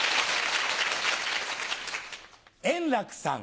円楽さん